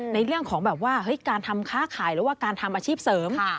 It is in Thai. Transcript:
ในเรื่องของแบบว่าการทำค้าขายหรือว่าการทำอาชีพเสริม